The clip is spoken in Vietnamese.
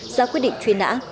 ra quyết định truy nã